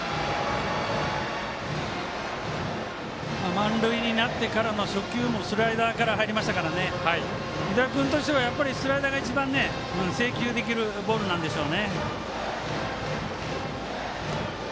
満塁になってからの初球もスライダーから入りましたから湯田君としてはやっぱりスライダーが制球できるボールなんでしょうね。